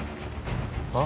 あ？